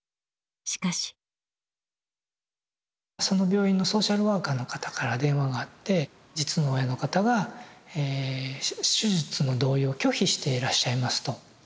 その病院のソーシャルワーカーの方から電話があって実の親の方がえ手術の同意を拒否していらっしゃいますと。